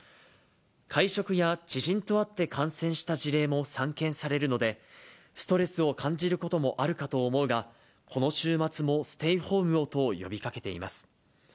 会食や知人と会って感染した事例も散見されるので、ストレスを感じることもあるかと思うが、この週末もステイホームをと、呼びかけています。